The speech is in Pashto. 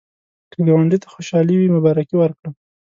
که ګاونډي ته خوشالي وي، مبارکي ورکړه